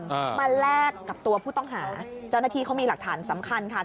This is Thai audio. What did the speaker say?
ฮะมาแลกกับตัวผู้ต้องหาเจ้าหน้าที่เขามีหลักฐานสำคัญค่ะ